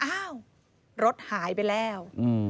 อ้าวรถหายไปแล้ว